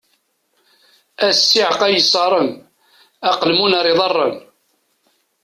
A ssiεqa ay iṣaṛen: aqelmun ar iḍaṛṛen!